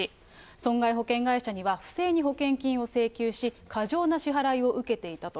損害保険会社には不正に保険金を請求し、過剰な支払いを受けていたと。